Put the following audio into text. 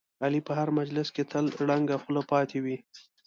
علي په هر مجلس کې تل ړنګه خوله پاتې وي.